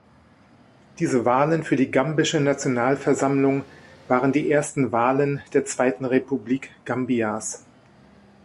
Diese Wahlen für die gambische Nationalversammlung waren die ersten Wahlen der Zweiten Republik Gambias.